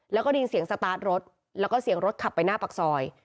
แล้วก็ได้ยินเสียงสตาร์ทรถแล้วก็เสียงรถขับไปหน้าปากซอย